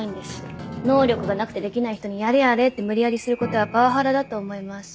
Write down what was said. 能力がなくてできない人にやれやれって無理やりすることはパワハラだと思います。